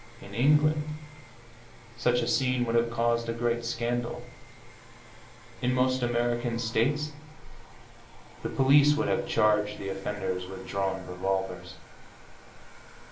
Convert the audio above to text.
In England such a scene would have caused a great scandal; in most American States the police would have charged the offenders with drawn revolvers.